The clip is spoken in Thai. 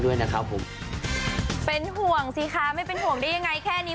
ด้วยนะครับผมเป็นห่วงสิคะไม่เป็นห่วงได้ยังไงแค่นี้